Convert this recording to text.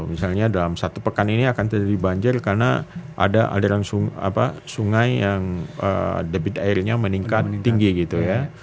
misalnya dalam satu pekan ini akan terjadi banjir karena ada aliran sungai yang debit airnya meningkat tinggi gitu ya